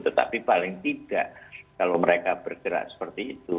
tetapi paling tidak kalau mereka bergerak seperti itu